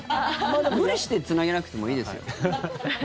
無理してつなげなくてもいいですよ。